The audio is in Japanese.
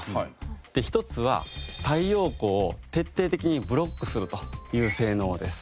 １つは太陽光を徹底的にブロックするという性能です。